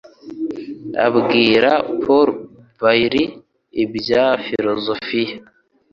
abwira Paul Bailey ibya filozofiya